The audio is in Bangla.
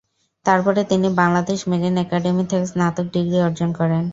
তারপরে তিনি বাংলাদেশ মেরিন একাডেমি থেকে স্নাতক ডিগ্রি অর্জন করেন।